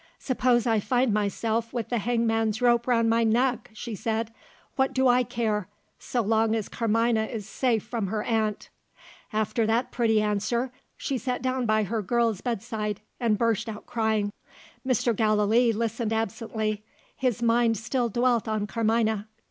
'Suppose I find myself with the hangman's rope round my neck,' she said, 'what do I care, so long as Carmina is safe from her aunt?' After that pretty answer, she sat down by her girl's bedside, and burst out crying." Mr. Gallilee listened absently: his mind still dwelt on Carmina.